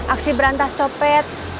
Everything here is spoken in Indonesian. aksi berantas copot